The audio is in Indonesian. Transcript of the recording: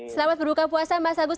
selamat berbuka puasa mas agus